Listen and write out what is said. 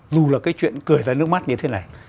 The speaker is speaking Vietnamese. dù là cái chuyện cười ra nước mắt như thế này